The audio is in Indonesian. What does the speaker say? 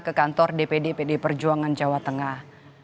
ke kantor dpd pd perjuangan jawa tengah